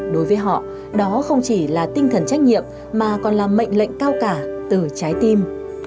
đối với họ đó không chỉ là tinh thần trách nhiệm mà còn là mệnh lệnh cao cả từ trái tim